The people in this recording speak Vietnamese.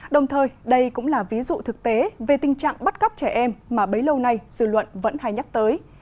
đồng thời đây cũng là ví dụ thực tế về tình trạng bắt cóc trẻ em mà bấy lâu nay dự luận vẫn hay nhắc tới